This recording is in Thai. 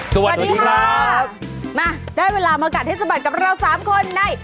สวัสดีครับมาได้เวลามากัดให้สะบัดกับเราสามคนใน